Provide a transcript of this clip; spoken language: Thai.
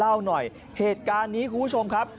เล่าหน่อยเหตุการณ์นี้คุณผู้ชมครับ